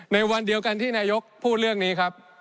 ในวันเดียวกันที่นายกพูดเรื่องนี้ครับ